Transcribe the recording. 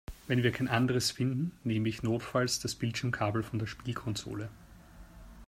Wenn wir kein anderes finden, nehme ich notfalls das Bildschirmkabel von der Spielkonsole.